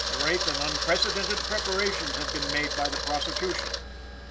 Great and unprecedented preparations had been made by the prosecution.